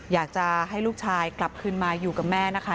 อยากจะให้ลูกชายกลับคืนมาอยู่กับแม่นะคะ